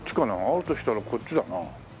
あるとしたらこっちだな。